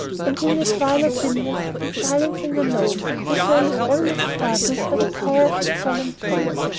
And in the twilight dimness, in silence and alone, The soul is almost startled by the power of its solemn tone.